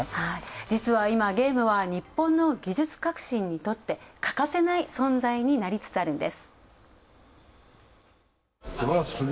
実は今ゲームは日本の技術革新にとって欠かせない存在になりつつあるんです。